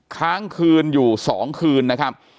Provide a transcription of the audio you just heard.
ค้างคืนอยู่๒คืนนะครับ